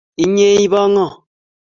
Inye ibo ngo?